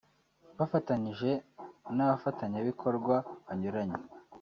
Bafatanyije n’abafatanyabikorwa banyuranye